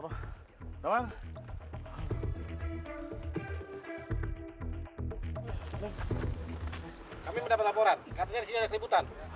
wah kami mendapat laporan katanya di sini ada keributan